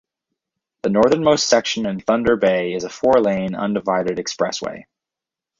The northernmost section in Thunder Bay is a four-lane, undivided expressway.